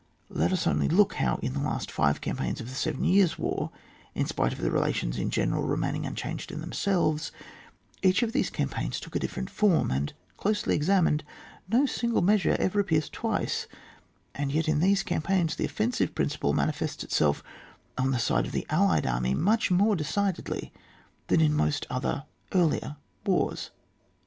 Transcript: Let us only look how in the last five campaigns of the Seven Years' War, in spite of the relations in general remaining unchanged in themselves, each of these campaigns took a different form, and, closely examined, no single measure ever appears twice ; and yet in these campaigns the offensive principle mani fests itself on the side of the allied army much more decidedly than in most other earlier wars.